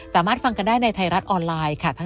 สามารถฟังกันได้ในไทยรัฐออนไลน์ค่ะ